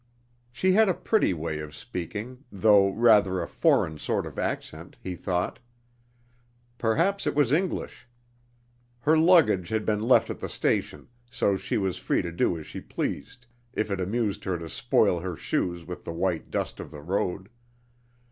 She had a pretty way of speaking, though rather a foreign sort of accent, he thought. Perhaps it was English. Her luggage had been left at the station, so she was free to do as she pleased, if it amused her to spoil her shoes with the white dust of the road.